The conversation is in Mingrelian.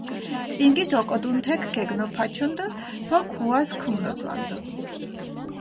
წინგის ოკოდუნ თექ გეგნოფაჩუნდჷ დო ქუას ქუმნოდვანდჷ.